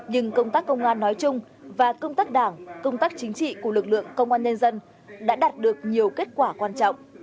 nhưng công tác công an nói chung và công tác đảng công tác chính trị của lực lượng công an nhân dân đã đạt được nhiều kết quả quan trọng